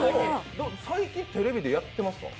最近、テレビでやってますか？